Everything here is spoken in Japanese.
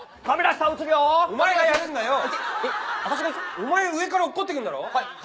お前上から落っこってくんだろ。